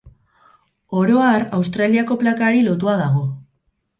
Oro har, Australiako plakari lotua dago.